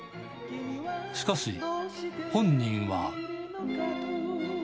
しかし、本人は。